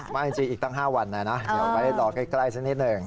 ไม่จริงอีกตั้ง๕วันนะนะเดี๋ยวไว้รอใกล้สักนิดหนึ่ง